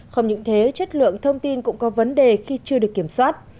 không những thế chất lượng thông tin cũng có vấn đề khi chưa được kiểm soát